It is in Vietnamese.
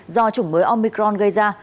do chủng mới omicron gây ra